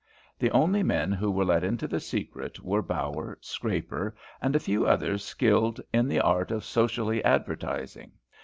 The only men who were let into the secret were Bower, Scraper, and a few others skilled in the art of socially advertising.